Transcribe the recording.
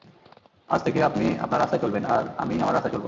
আজ থেকে, আপনি আপনার রাস্তায় চলবেন, আর আমি আমার রাস্তায় চলব।